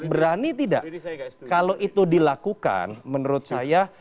berani tidak kalau itu dilakukan menurut saya